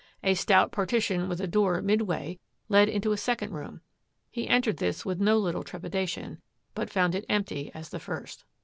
A stout partition with a door midway led into a second room. He entered this with no little trepidation, but found it empty as the first.